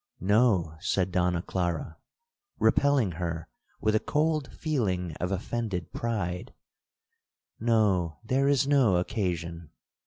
'—'No!' said Donna Clara, repelling her with a cold feeling of offended pride; 'no!—there is no occasion.